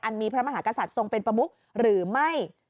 มีพระมหากษัตริย์ทรงเป็นประมุกหรือไม่